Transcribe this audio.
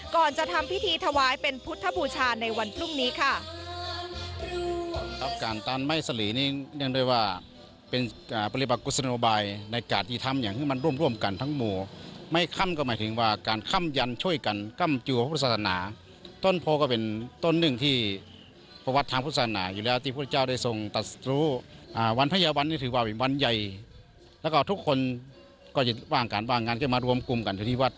ก่อนจะทำพิธีถวายเป็นพุทธบูชาในวันพรุ่งนี้ค่ะ